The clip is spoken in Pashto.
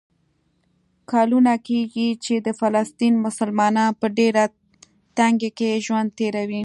کلونه کېږي چې د فلسطین مسلمانان په ډېره تنګۍ کې ژوند تېروي.